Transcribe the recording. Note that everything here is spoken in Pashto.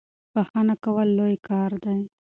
بخښنه کول لوی کار دی.